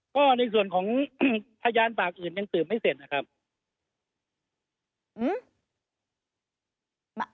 ก็ในส่วนของพยานปากอื่นยังสืบไม่เสร็จนะครับ